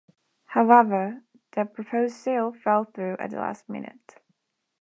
However, the proposed deal fell through at the last minute.